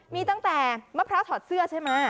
มีตั้งแต่มะพร้าวถอดเสื้อใช่ไหม